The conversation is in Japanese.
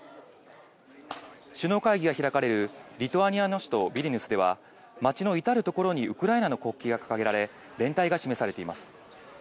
首脳会議が開かれるリトアニアの首都ビリニュスでは、街の至る所にウクライナの国旗が掲げられ、連帯が示されています。